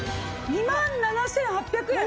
２万７８００円。